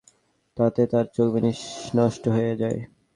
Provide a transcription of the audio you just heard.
তাতে তাঁর চোখ বিনষ্ট হয়ে যায়।